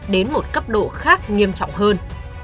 đến một cấp độ khác nghiêm trọng hơn